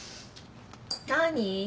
何？